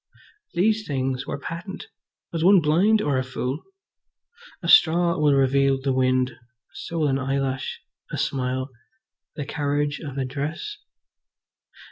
These things were patent. Was one blind or a fool? A straw will reveal the wind, so will an eyelash, a smile, the carriage of a dress.